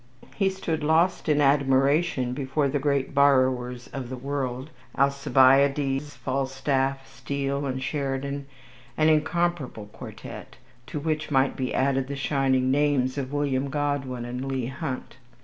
He stood lost in admiration before the great borrowers of the world, Alcibiades, Falstaff, Steele, and Sheridan; an incomparable quartette, to which might be added the shining names of William Godwin and Leigh Hunt.